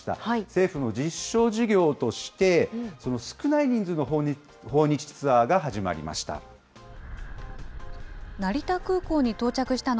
政府の実証事業として、少ない人数の訪日ツアーが始まりました。